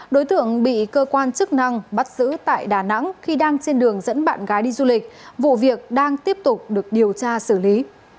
đối tượng bị cơ quan chức năng bắt giữ tại đà nẵng khi đang trên đường dẫn bạn gái đi du lịch vụ việc đang tiếp tục được điều tra xử lý